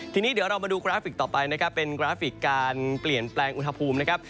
ทีนี้เดี๋ยวเรามาดูกราฟิกต่อไปนะครับเป็นกราฟิกการเปลี่ยนแปลงอุณหภูมินะครับ